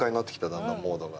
だんだんモードが。